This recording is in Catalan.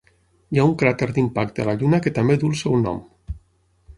Hi ha un cràter d'impacte a la Lluna que també duu el seu nom.